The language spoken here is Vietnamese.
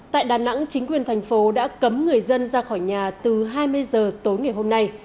tại đà nẵng chính quyền thành phố đã cấm người dân ra khỏi nhà từ hai mươi giờ tối ngày hôm nay